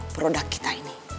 produk kita ini